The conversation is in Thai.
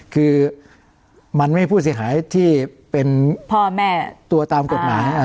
คือมันไม่ผู้เสียหายที่เป็นพ่อแม่ตัวตามกฎหมาย